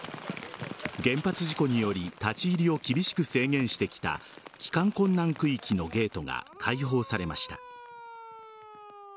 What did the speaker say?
原発事故により立ち入りを厳しく制限してきた帰還困難区域のゲートが開放されました。